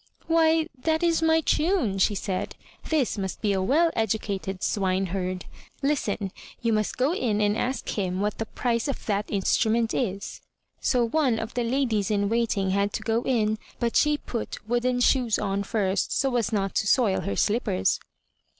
Why, that is my tune," she said; '*this must be a well educated swineherd. Listen, you must go in and ask him what the price of that instrument is." So one of the ladies in waiting had to go in, but she put wooden shoes on first, so as not to soil her slippers.